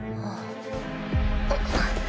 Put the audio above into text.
あっ。